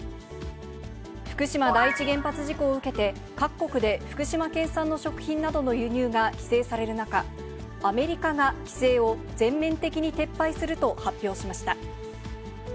福島第一原発事故を受けて、各国で福島県産の食品などの輸入が規制される中、アメリカが規制を全面的に撤廃すると発表しました。